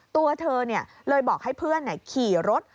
ตัวเธอเลยบอกให้เพื่อนขี่รถ